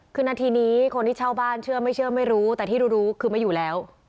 คือนาทีนี้คนที่เช่าบ้านเชื่อไม่เชื่อไม่รู้แต่ที่รู้รู้คือไม่อยู่แล้ว